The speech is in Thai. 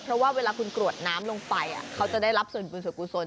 เพราะว่าเวลาคุณกรวดน้ำลงไปเขาจะได้รับส่วนบุญส่วนกุศล